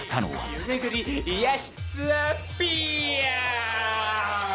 湯めぐり癒やしツアーピーヤー！